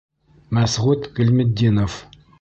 Мәсғүт ҒИЛМЕТДИНОВ.